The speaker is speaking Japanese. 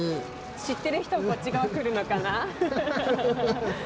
知ってる人はこっち側来るのかな？